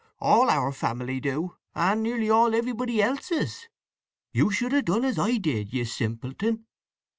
"All our family do—and nearly all everybody else's. You should have done as I did, you simpleton!